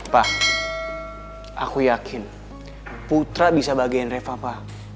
pak aku yakin putra bisa bagain reva pak